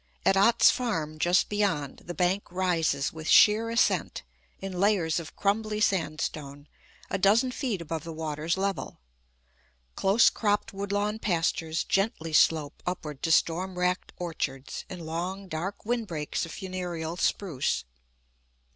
At Ott's Farm, just beyond, the bank rises with sheer ascent, in layers of crumbly sandstone, a dozen feet above the water's level. Close cropped woodlawn pastures gently slope upward to storm wracked orchards, and long, dark windbreaks of funereal spruce.